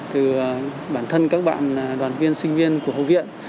từ bản thân các bạn đoàn viên sinh viên của học viện